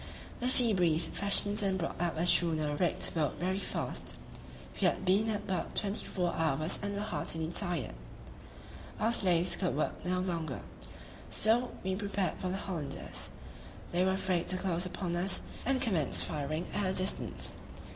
The sea breeze freshened and brought up a schooner rigged boat very fast. We had been at work twenty four hours and were heartily tired; our slaves could work no longer, so we prepared for the Hollanders; they were afraid to close upon us and commenced firing at a distance.